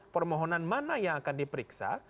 permohonan mana yang akan diperiksa